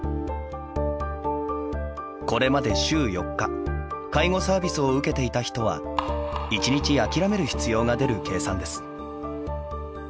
これまで週４日介護サービスを受けていた人は１日諦める必要が出る計算です。